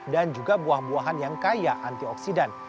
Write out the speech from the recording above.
dan juga buah buahan yang kaya antioksidan